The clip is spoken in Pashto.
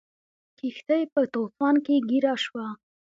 کښتۍ په طوفان کې ګیره شوه.